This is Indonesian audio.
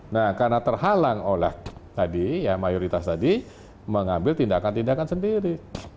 nah karena terhalang oleh tadi ya mayoritas tadi mengambil tindakan tindakan sendiri